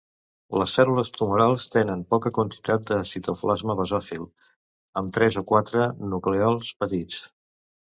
Les cèl·lules tumorals tenen poca quantitat de citoplasma basòfil amb tres o quatre nuclèols petits.